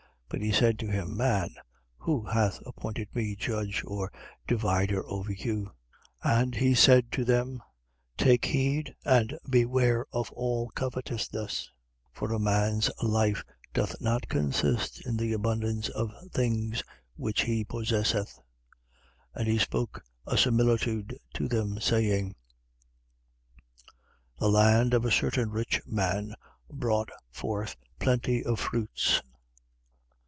12:14. But he said to him: Man, who hath appointed me judge or divider over you? 12:15. And he said to them: Take heed and beware of all covetousness: for a man's life doth not consist in the abundance of things which he possesseth. 12:16. And he spoke a similitude to them, saying: The land of a certain rich man brought forth plenty of fruits.